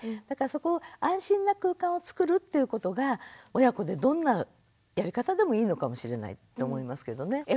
だからそこを安心な空間をつくるっていうことが親子でどんなやり方でもいいのかもしれないと思いますけどね。